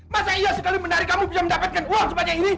masa iya sekali menarik kamu bisa mendapatkan uang sebanyak ini